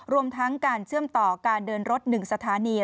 รวมทั้งการเชื่อมต่อการเดินรถ๑สถานี